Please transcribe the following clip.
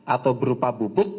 atau berupa bubuk